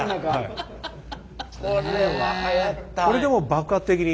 これでもう爆発的に。